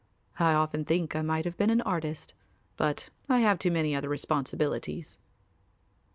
I often think I might have been an artist, but I have too many other responsibilities."